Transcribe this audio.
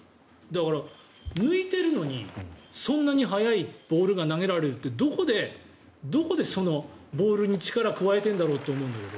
だから、抜いてるのにそんなに速いボールが投げられるってどこでボールに力を加えてるのかって思うんだけど。